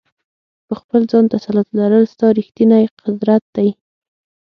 په خپل ځان تسلط لرل ستا ریښتینی قدرت دی.